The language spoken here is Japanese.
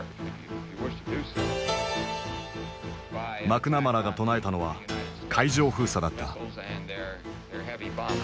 マクナマラが唱えたのは「海上封鎖」だった。